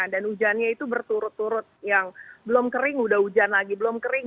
dan hujannya itu berturut turut yang belum kering sudah hujan lagi belum kering